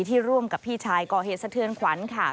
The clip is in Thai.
ที่ร่วมกับพี่ชายกศขวัญค่ะ